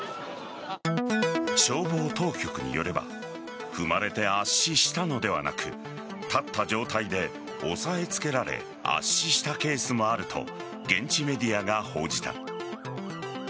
消防当局によれば踏まれて圧死したのではなく立った状態で押さえ付けられ圧死したケースもあると現地メディアが報じた。